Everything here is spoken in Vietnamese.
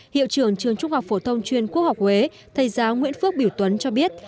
hiệu trưởng trường trung học phổ thông chuyên quốc học huế thầy giáo nguyễn phước biểu tuấn cho biết